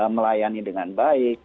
melayani dengan baik